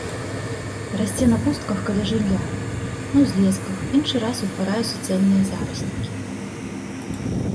Расце на пустках, каля жылля, на ўзлесках, іншы раз утварае суцэльныя зараснікі.